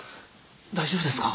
大丈夫ですか？